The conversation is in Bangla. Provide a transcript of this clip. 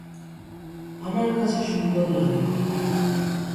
আমার কাছে সুন্দর লাগে না।